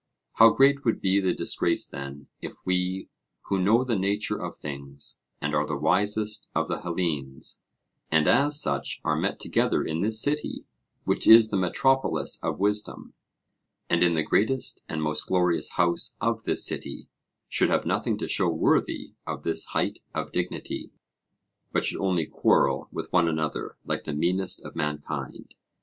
How great would be the disgrace then, if we, who know the nature of things, and are the wisest of the Hellenes, and as such are met together in this city, which is the metropolis of wisdom, and in the greatest and most glorious house of this city, should have nothing to show worthy of this height of dignity, but should only quarrel with one another like the meanest of mankind!